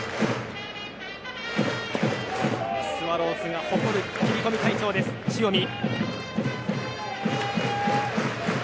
スワローズが誇る切り込み隊長塩見。